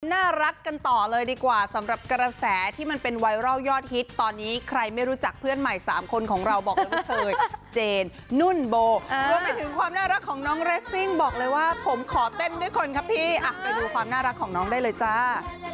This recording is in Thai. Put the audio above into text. น่ารักกันต่อเลยดีกว่าสำหรับกระแสที่มันเป็นไวรัลยอดฮิตตอนนี้ใครไม่รู้จักเพื่อนใหม่๓คนของเราบอกเลยว่าเลยเจนนุ่นโบรวมไปถึงความน่ารักของน้องเรสซิ่งบอกเลยว่าผมขอเต้นด้วยคนครับพี่ไปดูความน่ารักของน้องได้เลยจ้า